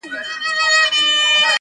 خزان له پېغلو پېزوانونو سره لوبي کوي-